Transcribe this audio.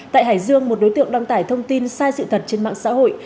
tại hải dương một đối tượng đăng tải thông tin sai sự thật trên mạng xã hội